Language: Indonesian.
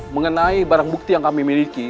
mengenai barang bukti yang kami miliki